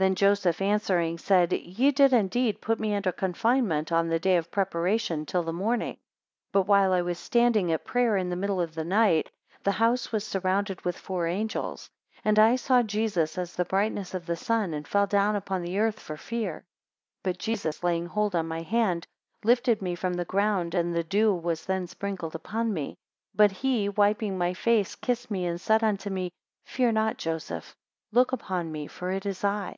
19 Then Joseph answering, said Ye did indeed put me under confinement, on the day of preparation, till the morning. 20 But while I was standing at prayer in the middle of the night, the house was surrounded with four angels; and I saw Jesus as the brightness of the sun, and fell down upon the earth for fear. 21 But Jesus laying hold on my hand, lifted me from the ground, and the dew was then sprinkled upon me; but he, wiping my face, kissed me, and said unto me, Fear not, Joseph; look upon me for it is I.